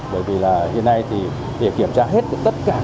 bởi vì hiện nay thì để kiểm tra hết tất cả các